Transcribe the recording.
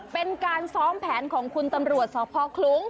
เป็นการซ้อมแผนของคุณตำรวจสพคลุ้ง